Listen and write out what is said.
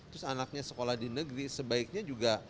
terus anaknya sekolah di negeri sebaiknya juga